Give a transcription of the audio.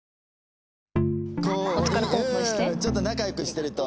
ちょっと仲良くしてると。